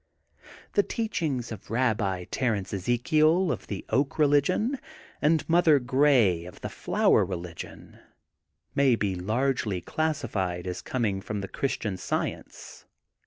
'*The teachings of Rabbi Ezekiel of the Oak Religion and Mother Grey of the Flower Religion may be largely classified as coming from Christian Science.